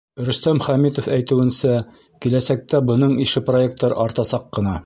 Рөстәм Хәмитов әйтеүенсә, киләсәктә бының ише проекттар артасаҡ ҡына.